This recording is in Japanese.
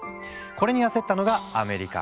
これに焦ったのがアメリカ。